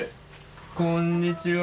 こんにちは。